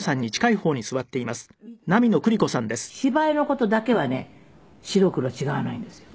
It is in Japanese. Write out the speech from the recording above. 芝居の事だけはね白黒違わないんですよ。